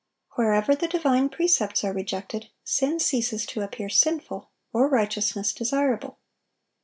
Wherever the divine precepts are rejected, sin ceases to appear sinful, or righteousness desirable.